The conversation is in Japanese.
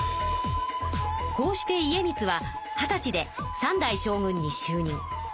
こうして家光は二十歳で３代将軍にしゅう任。